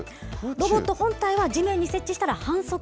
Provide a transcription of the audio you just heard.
ロボット本体は地面に接地したら反則。